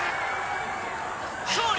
勝利